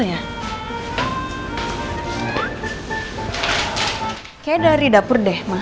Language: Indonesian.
kayaknya dari dapur deh mas